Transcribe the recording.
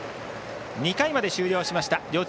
２回まで終了しました。